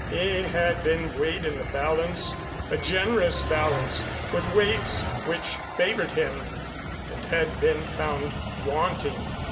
He had been weighed in the balance, a generous balance with weights which favored him, and had been found wanting.